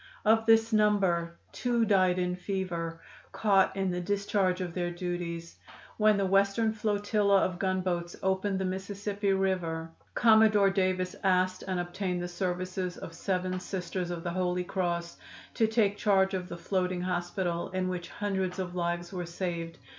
"Of this number, two died from fever, caught in the discharge of their duties. When the Western flotilla of gunboats opened the Mississippi River Commodore Davis asked and obtained the services of seven Sisters of the Holy Cross to take charge of the floating hospital, in which hundreds of lives were saved.